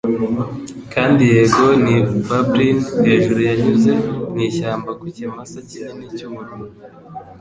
Kandi yego ni bubblin 'hejuruYanyuze mu ishyamba ku kimasa kinini cy'ubururu,